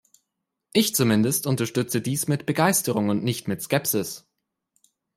Ich zumindest unterstütze dies mit Begeisterung und nicht mit Skepsis.